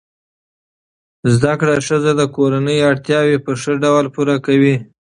زده کړه ښځه د کورنۍ اړتیاوې په ښه ډول پوره کوي.